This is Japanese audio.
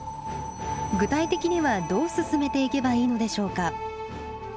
具体的にはどう進めていけばいいのでしょうか？